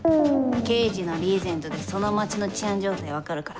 刑事のリーゼントでその街の治安状態分かるから。